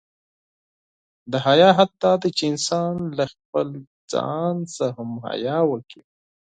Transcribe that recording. د حیا حد دا دی، چې انسان له خپله ځان څخه هم حیا وکړي.